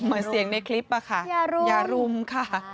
เหมือนเสียงในคลิปอะค่ะอย่ารุมค่ะ